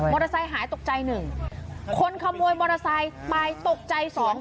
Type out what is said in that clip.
ไซค์หายตกใจหนึ่งคนขโมยมอเตอร์ไซค์ไปตกใจสอง